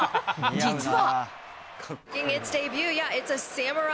実は。